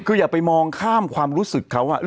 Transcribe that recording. คืออย่าไปมองข้ามความรู้สึกเขา